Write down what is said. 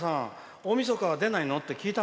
大みそか、出ないの？って。